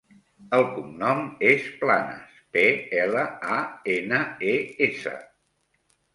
El cognom és Planes: pe, ela, a, ena, e, essa.